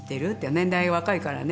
年代が若いからね。